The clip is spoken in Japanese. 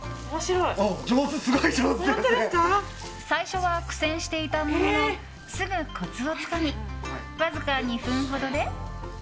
最初は苦戦していたもののすぐコツをつかみわずか２分ほどで。